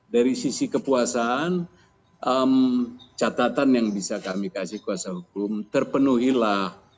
dari sisi kepuasan catatan yang bisa kami kasih kuasa hukum terpenuhilah